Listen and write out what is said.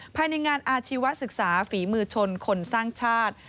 ภายในงานอาชีวศึกษาฝีมือชนคนสร้างชาติ